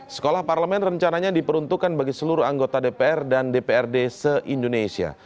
sekolah parlemen rencananya diperuntukkan bagi seluruh anggota dpr dan dprd se indonesia